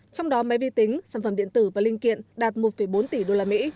trong đó máy vi tính sản phẩm điện tử và linh kiện đạt một bốn tỷ usd